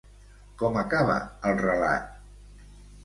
Com acaba el relat?